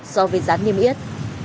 so với giá niêm yết